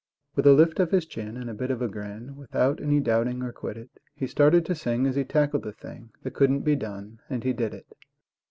With a lift of his chin and a bit of a grin, Without any doubting or quiddit, He started to sing as he tackled the thing That couldn't be done, and he did it.